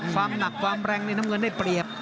ความหนักความแรงนี่น้ำเงินได้เปรียบ